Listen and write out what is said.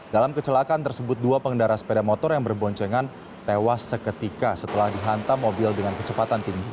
dalam kecelakaan tersebut dua pengendara sepeda motor yang berboncengan tewas seketika setelah dihantam mobil dengan kecepatan tinggi